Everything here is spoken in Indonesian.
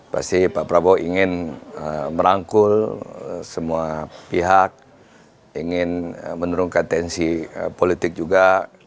pasti pak prabowo ingin merangkul semua pihak ingin menurunkan tensi politik juga